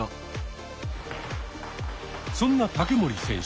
そんな竹守選手